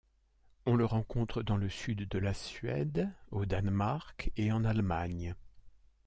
On le rencontre dans le Sud de la Suède, au Danemark et en Allemagne.